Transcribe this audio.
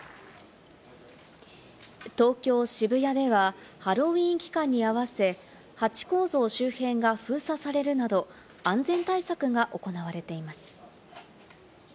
東京・渋谷ではハロウィーン期間に合わせ、ハチ公像周辺が封鎖されるなど安全対策が行われています。